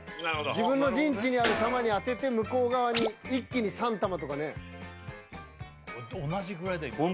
自分の陣地にある玉に当てて向こう側に一気に３玉とかね同じぐらいだよ